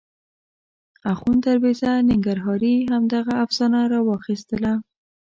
اخوند دروېزه ننګرهاري همدغه افسانه راواخیستله.